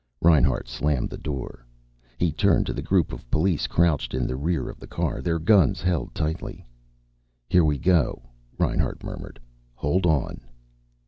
Reinhart slammed the door. He turned to the group of police crouched in the rear of the car, their guns held tightly. "Here we go," Reinhart murmured. "Hold on."